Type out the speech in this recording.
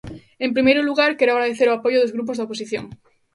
En primeiro lugar, quero agradecer o apoio dos grupos da oposición.